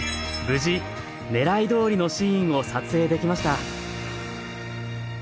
無事狙いどおりのシーンを撮影できました